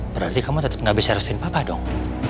berarti kamu tetep gak bisa restuin papa dong